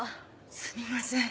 すみません